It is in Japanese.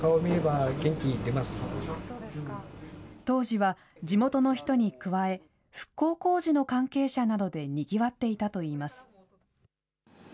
当時は、地元の人に加え、復興工事の関係者などでにぎわっていたといいます。